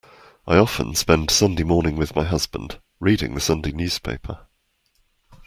I often spend Sunday morning with my husband, reading the Sunday newspaper